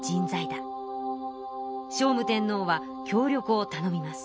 聖武天皇は協力を頼みます。